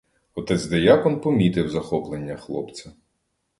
Отець диякон помітив захоплення хлопця.